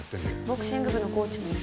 ボクシング部のコーチもね。